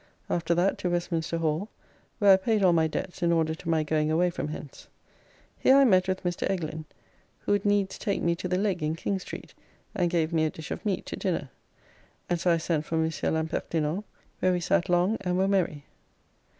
After that to Westminster Hall, where I paid all my debts in order to my going away from hence. Here I met with Mr. Eglin, who would needs take me to the Leg in King Street and gave me a dish of meat to dinner; and so I sent for Mons. L'Impertinent, where we sat long and were merry.